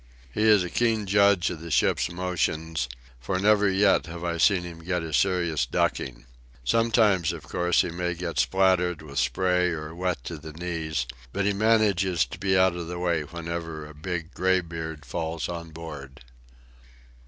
He is a keen judge of the ship's motions, for never yet have I seen him get a serious ducking. Sometimes, of course, he may get splattered with spray or wet to the knees, but he manages to be out of the way whenever a big graybeard falls on board.